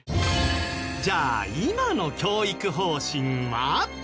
じゃあ今の教育方針は？